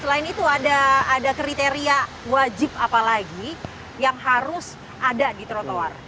selain itu ada kriteria wajib apa lagi yang harus ada di trotoar